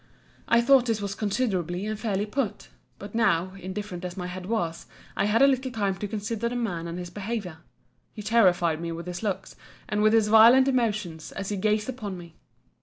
I thought this was considerately and fairly put. But now, indifferent as my head was, I had a little time to consider the man and his behaviour. He terrified me with his looks, and with his violent emotions, as he gazed upon me.